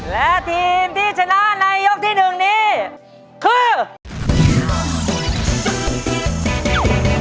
และทีมที่ชนะในยกที่๑นี้คือ